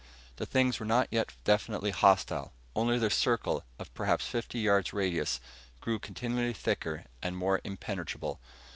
The things were not yet definitely hostile only their circle, of perhaps fifty yards radius, grew continually thicker and more impenetrable.